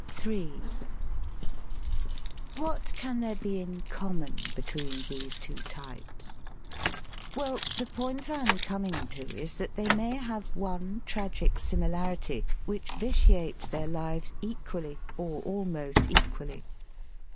m What can there be in common between these two types? Well, the point I am coming to is that they may have one tragic similarity which vitiates their lives equally, or almost equally.